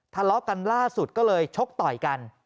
ทะเลาะกันล่าสุดก็เลยชกต่อยกัน